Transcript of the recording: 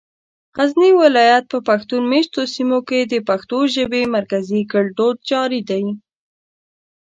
غزني ولايت په پښتون مېشتو سيمو کې د پښتو ژبې مرکزي ګړدود جاري دی.